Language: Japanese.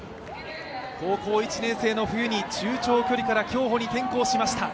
高校１年生の冬に中長距離から競歩に転向しました。